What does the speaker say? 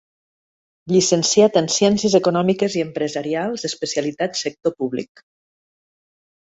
Llicenciat en Ciències Econòmiques i Empresarials, especialitat Sector Públic.